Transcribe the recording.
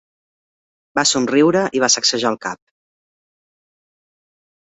Va somriure i va sacsejar el cap.